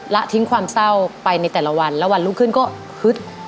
และทิ้งความเศร้าไปในแต่ละวันแล้ววันรุ่งขึ้นก็ฮึด